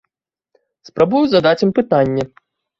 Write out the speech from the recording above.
Спрабую задаць ім пытанне.